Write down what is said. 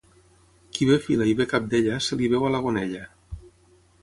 Qui bé fila i bé cabdella, se li veu a la gonella.